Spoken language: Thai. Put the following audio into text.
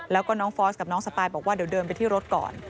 แล้วก็น้องฟอสกับน้องสปายบอกว่าเดี๋ยวเดินไปที่รถก่อน